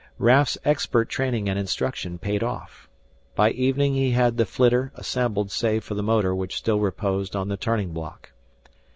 Raf's expert training and instruction paid off. By evening he had the flitter assembled save for the motor which still reposed on the turning block.